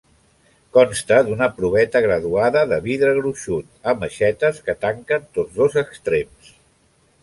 Consta d'una proveta graduada, de vidre gruixut, amb aixetes que tanquen tots dos extrems.